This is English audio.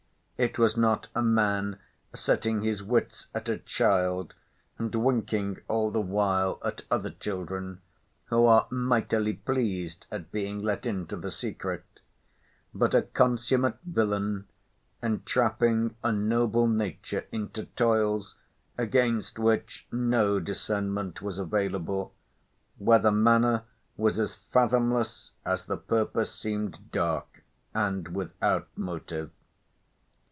It was not a man setting his wits at a child, and winking all the while at other children who are mightily pleased at being let into the secret; but a consummate villain entrapping a noble nature into toils, against which no discernment was available, where the manner was as fathomless as the purpose seemed dark, and without motive.